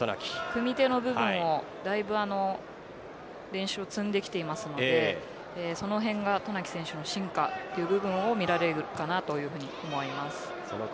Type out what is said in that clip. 組み手の部分を練習を積んできているのでそのへんが渡名喜選手の進化という部分が見られると思います。